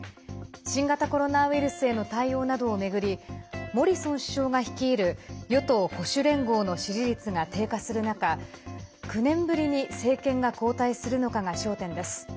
新型コロナウイルスへの対応などをめぐりモリソン首相が率いる与党・保守連合の支持率が低下する中９年ぶりに政権が交代するのかが焦点です。